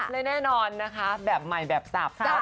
ได้แน่นอนนะคะแบบใหม่แบบสาปสาป